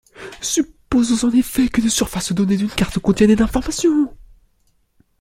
Supposons en effet qu'une surface donnée d'une carte contienne n informations.